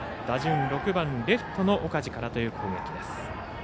打順６番、レフトの岡治からという攻撃です。